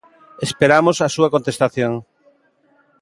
Esperamos a súa contestación.